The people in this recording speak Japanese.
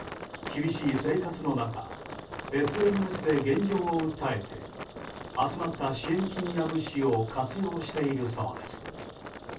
厳しい生活の中ＳＮＳで現状を訴えて集まった支援金や物資を活用しているそうです。